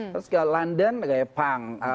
terus kayak london gaya punk